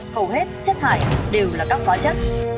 hầu hết chất thải đều là các khóa chất